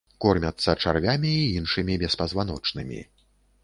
Кормяцца чарвямі і іншымі беспазваночнымі.